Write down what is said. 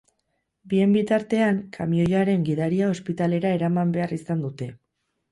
Bien bitartean, kamioiaren gidaria ospitalera eraman behar izan dute.